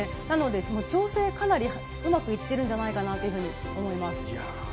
なので、調整がかなりうまくいっているんじゃないかと思います。